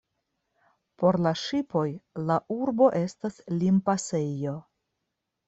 Por la ŝipoj la urbo estas limpasejo.